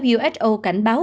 who cảnh báo